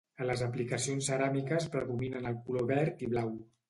A les aplicacions ceràmiques predominen el color verd i blau.